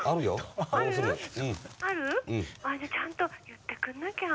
☎ある？じゃちゃんと言ってくんなきゃあ。